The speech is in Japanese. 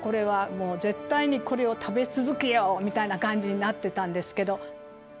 もう絶対にこれを食べ続けようみたいな感じになってたんですけど。